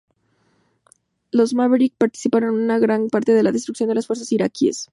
Los Maverick participaron en una gran parte de la destrucción de las fuerzas iraquíes.